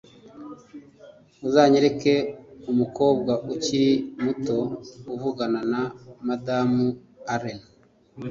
uzanyereka umukobwa ukiri muto uvugana na madamu allen